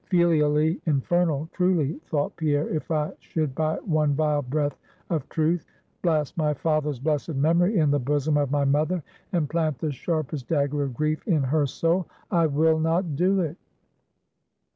Filially infernal, truly, thought Pierre, if I should by one vile breath of truth, blast my father's blessed memory in the bosom of my mother, and plant the sharpest dagger of grief in her soul. I will not do it!